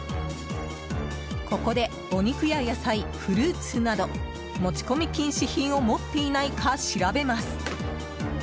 ここでお肉や野菜、フルーツなど持ち込み禁止品を持っていないか調べます。